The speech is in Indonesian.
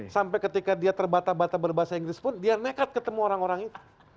sampai ketika dia terbata bata berbahasa inggris pun dia nekat ketemu orang orang itu